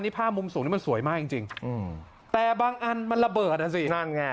นี่ภาพมุมสูงนี้มันสวยมากจริงจริงอืมแต่บางอันมันระเบิดอ่ะสินั่นไง